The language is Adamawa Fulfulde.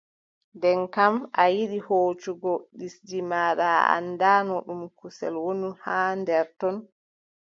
Nden kam a yiɗi hoocugo ɗisdi maaɗa, a anndaano ɗum kusel wonno haa ton.